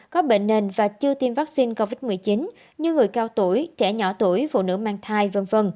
có bệnh nền và chưa tiêm vaccine covid một mươi chín như người cao tuổi trẻ nhỏ tuổi phụ nữ mang thai v v